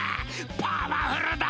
パワフルだろ？